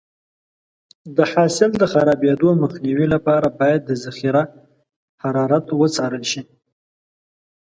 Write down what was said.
د حاصل د خرابېدو مخنیوي لپاره باید د ذخیره حرارت وڅارل شي.